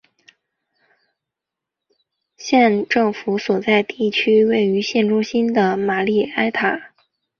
县政府所在地位于县中心的玛丽埃塔。